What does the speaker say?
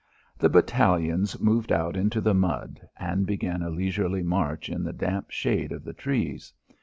The battalions moved out into the mud and began a leisurely march in the damp shade of the trees.